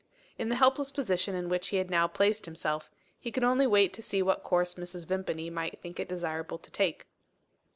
In the helpless position in which he had now placed himself, he could only wait to see what course Mrs. Vimpany might think it desirable to take.